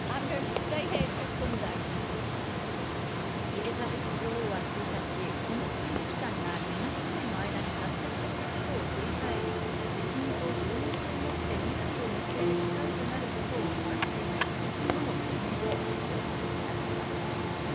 エリザベス女王は１日、この数日間が７０年の間に達成されたことを振り返り、自信と情熱を持って未来を見据える機会となることを願っていますとの声明を発表しました。